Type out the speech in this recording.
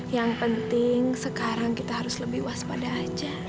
yang penting sekarang kita harus lebih waspada aja